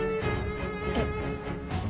えっ。